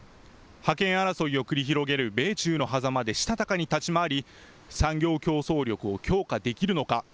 覇権争いを繰り広げる米中のはざまでしたたかに立ち回り産業競争力を強化できるのか。